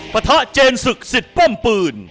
ปะทะเจนศึกศิษย์ป้อมปืน